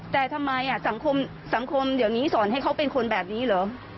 แต่ทำไมสังคมเดี๋ยวนี้สอนให้เขาเป็นคนแบบนี้เหรอ